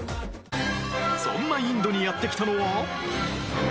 そんなインドにやって来たのは